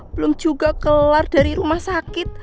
belum juga keluar dari rumah sakit